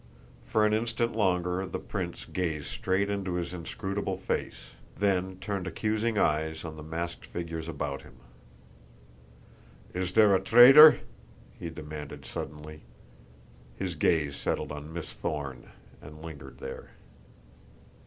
For an instant longer the prince gazed straight into his inscrutable face, then turned accusing eyes on the masked figures about him. "Is there a traitor?" he demanded suddenly. His gaze settled on Miss Thorne and lingered there.